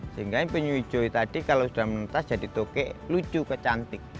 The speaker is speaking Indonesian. sehingga penyu hijau tadi kalau sudah menentas jadi toke lucu kecantik